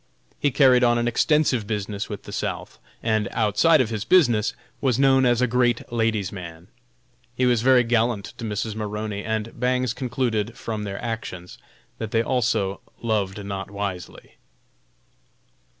He carried on an extensive business with the South, and, outside of his business, was known as a great ladies' man. He was very gallant to Mrs. Maroney, and Bangs concluded, from their actions, that they also "loved not wisely."